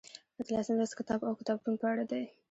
اتلسم لوست کتاب او کتابتون په اړه دی.